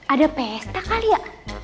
ada pesta kali ya